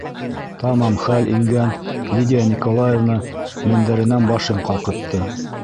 Тамам хәл ингән Лидия Николаевна мендәренән башын ҡалҡытты;